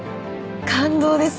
感動です